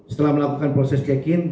setelah melakukan proses check in